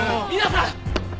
皆さん！